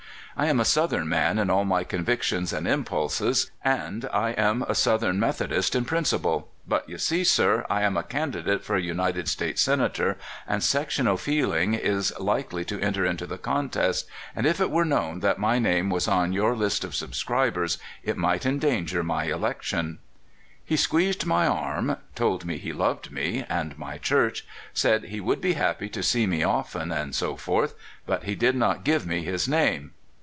I am a Southern man in all my convictions and impulses, and I am a South ern Methodist in principle. But you see, sir, I am a candidate for United States Senator, and sectional feeling is likely to enter into the contest, and if it were known that my name was on your list of subscribers it might endanger my elec tion." He squeezed my arm, told me he loved me and my Church, said he would be happy to see me often, and so forth — but he did not give me his name.